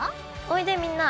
おいでみんな！